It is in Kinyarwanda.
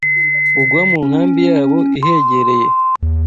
ugwa mu nkambi yabo ihegereye